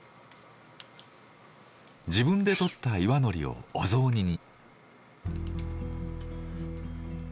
自分でとった岩のりをお雑煮に。